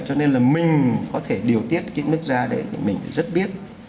cho nên là mình có thể điều tiết cái nước ra để mình rất biết